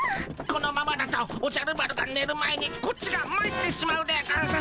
このままだとおじゃる丸がねる前にこっちがまいってしまうでゴンス。